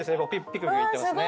ピクピクいってますね。